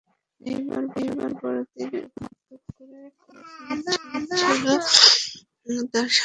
Neymar বড়দিনের আনন্দ ভাগ করে নিচ্ছেন তাঁর সাবেক প্রেমিকা ব্রুনা মার্কেজিনের সঙ্গে।